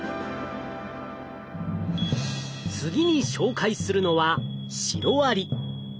次に紹介するのはシロアリ。